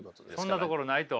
そんなところないと。